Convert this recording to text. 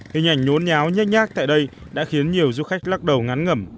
hình ảnh nhốn nháo nhát nhát tại đây đã khiến nhiều du khách lắc đầu ngắn ngẩm